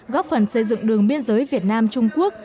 góp phần xây dựng đường biên giới việt nam trung quốc